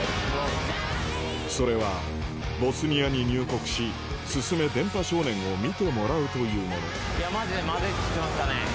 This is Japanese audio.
それはボスニアに入国し『進め！電波少年』を見てもらうというものマジでまずいって言ってましたね。